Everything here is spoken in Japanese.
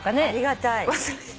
ありがたい。